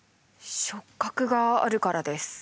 触覚があるからです。